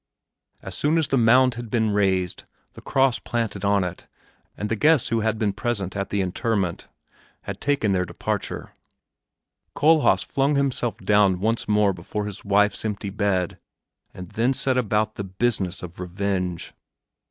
As soon as the mound had been raised, the cross planted on it, and the guests who had been present at the interment had taken their departure, Kohlhaas flung himself down once more before his wife's empty bed, and then set about the business of revenge.